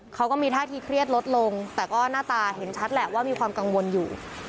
เขาก็มีท่าทีเครียดลดลงแต่ก็หน้าตาเห็นชัดแหละว่ามีความกังวลอยู่